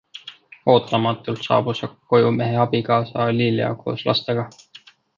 Ootamatult saabus aga koju mehe abikaasa Lilia koos lastega.